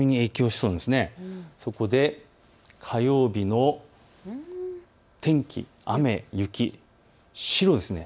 そこで火曜日の天気、雪、白ですね。